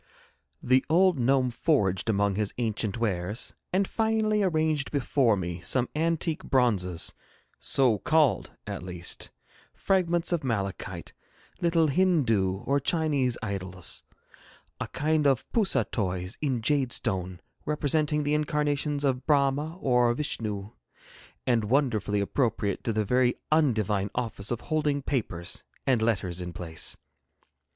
The old gnome foraged among his ancient wares, and finally arranged before me some antique bronzes, so called at least; fragments of malachite, little Hindoo or Chinese idols, a kind of poussah toys in jade stone, representing the incarnations of Brahma or Vishnoo, and wonderfully appropriate to the very undivine office of holding papers and letters in place.